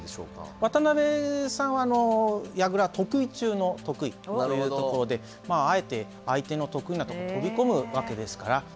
渡辺さんは矢倉得意中の得意というところでまああえて相手の得意なところに飛び込むわけですから。